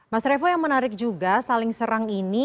mas revo yang menarik juga saling serang ini